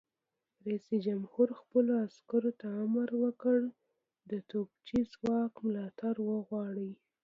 رئیس جمهور خپلو عسکرو ته امر وکړ؛ د توپچي ځواک ملاتړ وغواړئ!